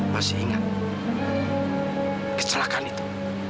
masih ingat kecelakaan itu